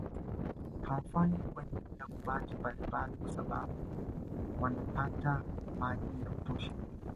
Huwafanya kuendelea kubaki palepale kwa sababu wanapata maji ya kutosha